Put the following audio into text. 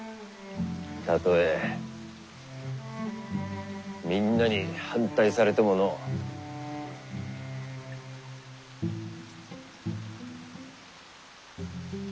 たとえみんなに反対されてものう。